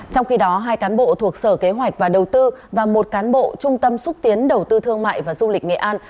trong khi đó hai cán bộ thuộc sở kế hoạch và đầu tư và một cán bộ trung tâm xúc tiến đầu tư thương mại và du lịch nghệ an